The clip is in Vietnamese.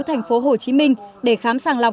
thành phố hồ chí minh để khám sàng lọc